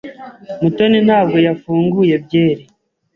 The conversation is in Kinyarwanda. Mutoni ntabwo yafunguye byeri.